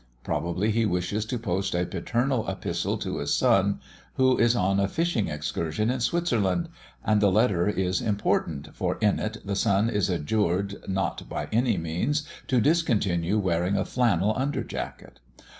Probably he wishes to post a paternal epistle to his son, who is on a fishing excursion in Switzerland, and the letter is important, for in it the son is adjured not by any means to discontinue wearing a flannel under jacket.